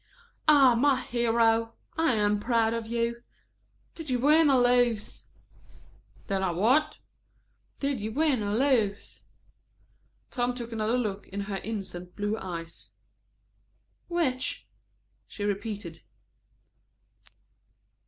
"Ah, my hero! I am proud of you. Did you win or lose?" "Did I what?" "Did you win or lose?" Tom took another look into her innocent blue eyes. "Which?" she repeated.